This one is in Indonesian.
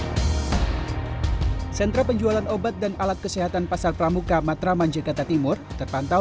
hai sentra penjualan obat dan alat kesehatan pasar pramuka matraman jakarta timur terpantau